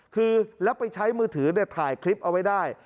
คือแล้วไปใช้มือถือถ่ายคลิปเอาไว้ได้